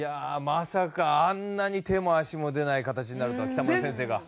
まさかあんなに手も足も出ない形になるとは北村先生が。